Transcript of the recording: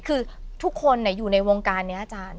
คือทุกคนอยู่ในวงการเนี่ย